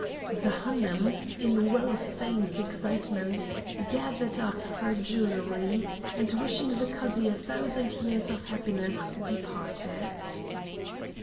The Hanoum, in well feigned excitement, gathered up her jewelry and, wishing the Cadi a thousand years of happiness, departed.